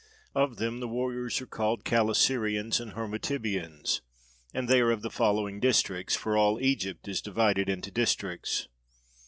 Of them the warriors are called Calasirians and Hermotybians, and they are of the following districts, for all Egypt is divided into districts.